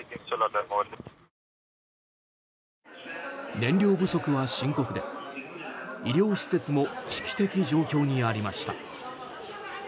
燃料不足は深刻で、医療施設も危機的状況にありました。